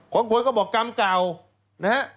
ของคุณก็บอกกรรมเก่านะฮะ